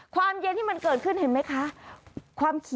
ความเย็นที่มันเกิดขึ้นเห็นไหมคะ